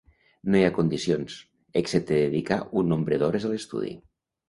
No hi ha condicions, excepte dedicar un nombre d'hores a l'estudi.